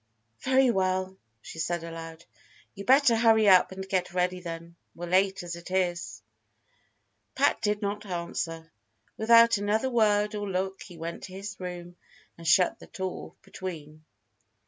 "Very well," she said aloud. "You better hurry up and get ready, then. We're late as it is." Pat did not answer. Without another word or look he went to his room and shut the door between.